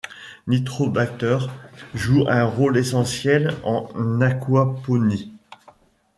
Nitrobacter joue un rôle essentiel en aquaponie.